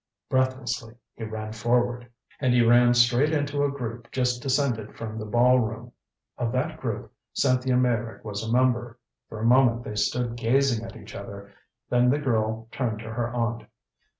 Breathlessly he ran forward. And he ran straight into a group just descended from the ballroom. Of that group Cynthia Meyrick was a member. For a moment they stood gazing at each other. Then the girl turned to her aunt.